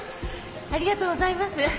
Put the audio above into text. ありがとうございます。